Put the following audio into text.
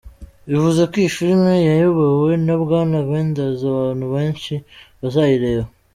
Bivuze ko iyi filime yayobowe na Bwana Wenders abantu benshi bazayireba.